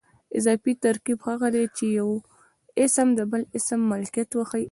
اضافي ترکیب هغه دئ، چي یو اسم د بل اسم ملکیت وښیي.